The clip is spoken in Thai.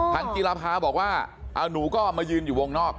จีรภาบอกว่าเอาหนูก็มายืนอยู่วงนอก